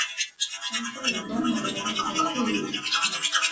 Michelle Obama yavuze atwite